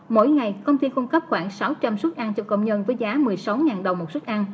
mỗi ngày công ty cung cấp khoảng sáu trăm linh suất ăn cho công nhân với giá một mươi sáu đồng một suất ăn